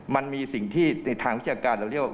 มันมีสิ่งที่ในทางวิชาการเราเรียกว่า